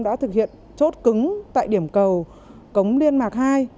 đã thực hiện chốt cứng tại điểm cầu cống liên mạc hai